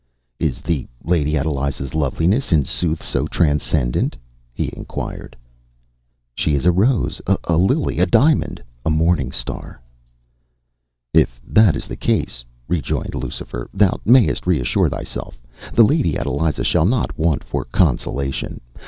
“Is the Lady Adeliza’s loveliness in sooth so transcendent?” he inquired. “She is a rose, a lily, a diamond, a morning star!” “If that is the case,” rejoined Lucifer, “thou mayest reassure thyself. The Lady Adeliza shall not want for consolation.